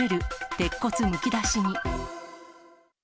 鉄骨むき出しに。